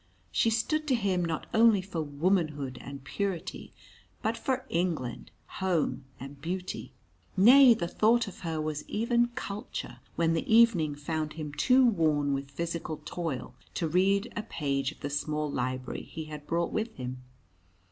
She stood to him not only for Womanhood and Purity, but for England, Home, and Beauty. Nay, the thought of her was even Culture, when the evening found him too worn with physical toil to read a page of the small library he had brought with him.